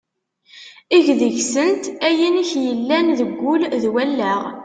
Eg deg-sent ayen i k-yellan deg wul d wallaɣ.